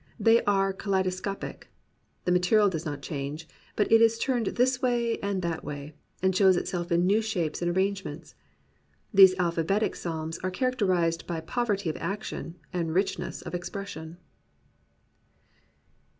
They are kaleidoscopic. The ma terial does not change, but it is turned this way and that way, and shows itself in new shapes and arrangements. These alphabetic psalms are char acterized by poverty of action and richness of ex pression.